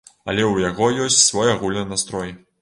Але ў яго ёсць свой агульны настрой.